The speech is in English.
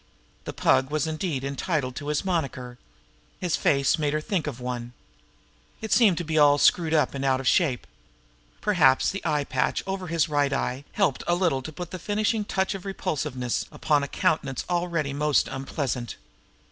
The Pug was indeed entitled to his moniker! His face made her think of one. It seemed to be all screwed up out of shape. Perhaps the eye patch over the right eye helped a little to put the finishing touch of repulsiveness upon a countenance already most unpleasant.